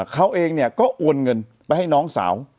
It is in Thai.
เขาเองเนี่ยก็โอนเงินไปให้น้องสาว